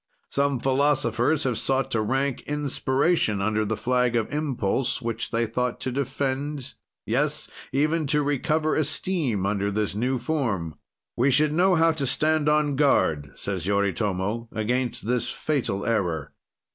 Some philosophers have sought to rank inspiration under the flag of impulse, which they thought to defend; yes, even to recover esteem under this new form. "We should know how to stand on guard," says Yoritomo, "against this fatal error."